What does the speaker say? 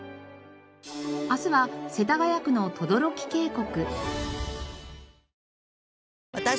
明日は世田谷区の等々力渓谷。